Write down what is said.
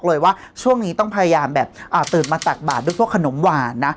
เลยว่าช่วงนี้ต้องพยายามแบบตื่นมาตักบาทด้วยพวกขนมหวานนะ